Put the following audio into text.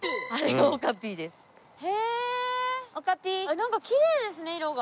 なんかきれいですね色が。